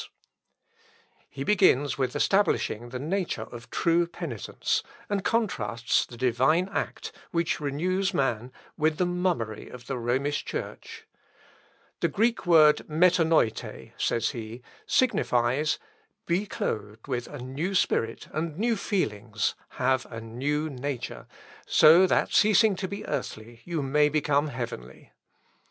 Op., (Leips.) xvii, pp. 29 113. He begins with establishing the nature of true penitence, and contrasts the divine act, which renews man, with the mummery of the Romish Church. "The Greek word μετανοειτε," says he, "signifies be clothed with a new spirit and new feelings; have a new nature; so that, ceasing to be earthly, you may become heavenly....